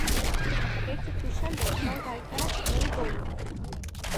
ერთი თვის შემდეგ, მან გაიტანა პირველი გოლი.